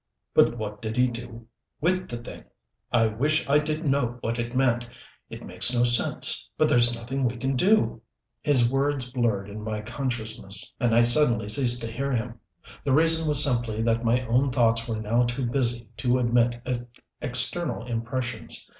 "But what did he do with the thing? I wish I did know what it meant. It makes no sense. But there's nothing we can do " His words blurred in my consciousness, and I suddenly ceased to hear him. The reason was simply that my own thoughts were now too busy to admit external impressions.